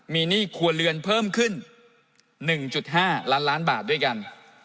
มีหนี้ครัวเรือนเพิ่มขึ้น๑๕ล้านล้านบาทด้วยกัน